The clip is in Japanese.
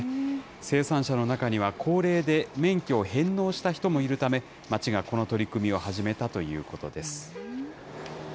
生産者の中には高齢で免許を返納した人もいるため、町がこの取り組みを始めたということです。